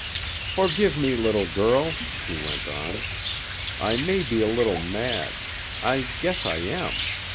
"Forgive me, little girl," he went on. "I may be a little mad. I guess I am.